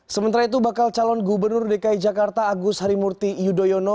sementara itu bakal calon gubernur dki jakarta agus harimurti yudhoyono